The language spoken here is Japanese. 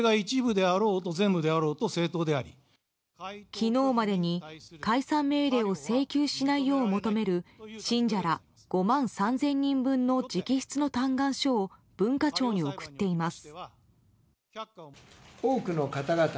昨日までに解散命令を請求しないよう求める信者ら５万３０００人分の直筆の嘆願書を文化庁に送っています。